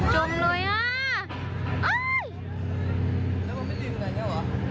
จมเลยอะ